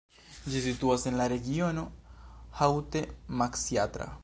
Ĝi situas en la regiono Haute-Matsiatra.